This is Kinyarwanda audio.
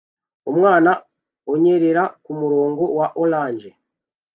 Umwana unyerera kumurongo wa orange